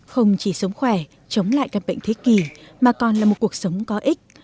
không chỉ sống khỏe chống lại các bệnh thế kỷ mà còn là một cuộc sống có ích